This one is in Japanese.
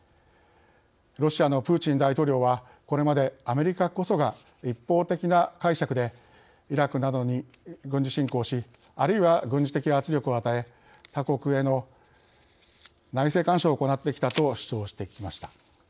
ロシアのプーチン大統領はこれまで、アメリカこそが一方的な解釈でイラクなどに軍事侵攻しあるいは軍事的圧力を与え他国への内政干渉を行ってきたと主張してきました。